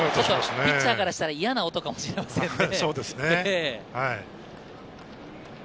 ピッチャーからしたら嫌な音かもしれませんが。